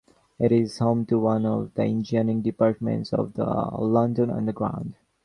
It is home to one of the engineering departments of the London Underground.